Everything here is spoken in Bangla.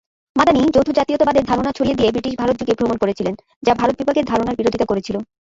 মাদানী যৌথ জাতীয়তাবাদের ধারণা ছড়িয়ে দিয়ে ব্রিটিশ ভারত জুড়ে ভ্রমণ করেছিলেন, যা ভারত বিভাগের ধারণার বিরোধিতা করেছিল।